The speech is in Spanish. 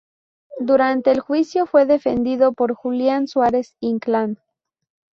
Durante el juicio fue defendido por Julián Suárez Inclán.